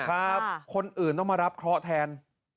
ครับคนอื่นต้องมารับเคราะห์แทน